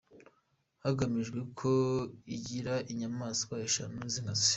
hagamijwe ko igira inyamaswa eshanu z’inkazi.